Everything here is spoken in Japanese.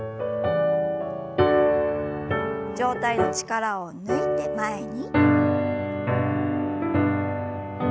上体の力を抜いて前に。